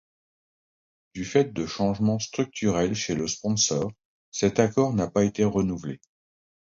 Du fait de changements structurels chez le sponsor, cet accord n'a pas été renouvelé.